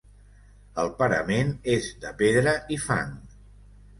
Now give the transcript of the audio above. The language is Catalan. El parament és de pedra i fang.